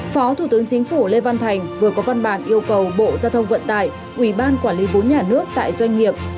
phó thủ tướng chính phủ lê văn thành vừa có văn bản yêu cầu bộ giao thông vận tải ủy ban quản lý vốn nhà nước tại doanh nghiệp